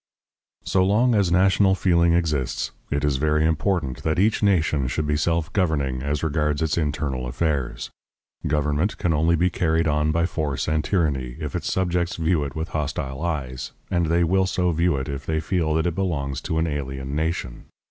So long as national feeling exists, it is very important that each nation should be self governing as regards its internal affairs. Government can only be carried on by force and tyranny if its subjects view it with hostile eyes, and they will so view it if they feel that it belongs to an alien nation.